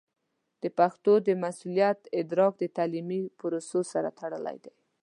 د پښتو د مسوولیت ادراک د تعلیمي پروسو سره تړلی دی.